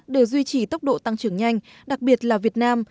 đều duy trì tốc độ tăng trưởng nhanh đặc biệt là việt nam